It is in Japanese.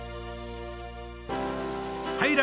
はい。